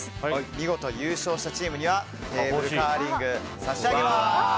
見事優勝したチームにはテーブルカーリング差し上げます。